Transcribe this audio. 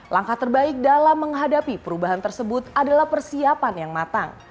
langkah terbaik dalam menghadapi perubahan tersebut adalah persiapan yang matang